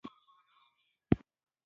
محرم واټن هېڅ معلوم واټن نلري.